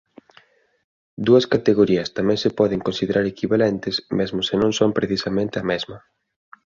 Dúas categorías tamén se poden considerar equivalentes mesmo se non son precisamente a mesma.